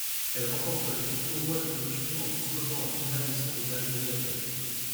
Elle remporte le tournoi de clôture, en disposant en finale de son rival Everton.